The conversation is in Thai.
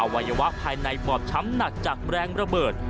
วัยวะภายในบอบช้ำหนักจากแรงระเบิด